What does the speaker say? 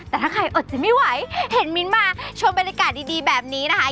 แต่ถ้าใครอดใจไม่ไหวเห็นมิ้นมาชมบรรยากาศดีแบบนี้นะคะ